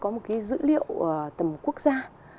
có một cái dữ liệu tầm quốc gia